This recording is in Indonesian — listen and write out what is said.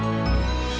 ya udah dut